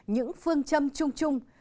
những phương châm chung chung